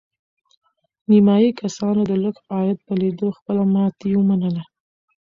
نیمایي کسانو د لږ عاید په لیدو خپله ماتې ومنله.